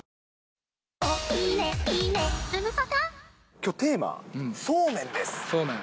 きょう、テーマ、そうめんでそうめん。